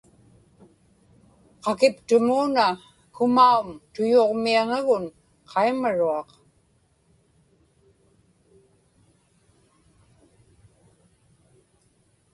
qakiptumuuna Kumaum tuyuġmiaŋagun qaimaruaq